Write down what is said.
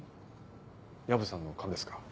薮さんの勘ですか？